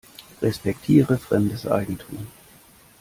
Respektiere fremdes Eigentum.